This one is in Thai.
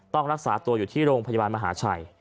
ต้องรักษาตัวอยู่ที่โรงพยาบาลมหาชัย